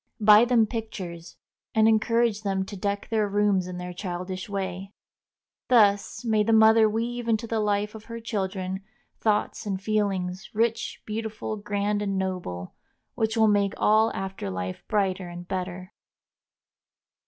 Buy them pictures, and encourage them to deck their rooms in their childish way. Thus may the mother weave into the life of her children thoughts and feelings, rich, beautiful, grand, and noble, which will make all after life brighter and better.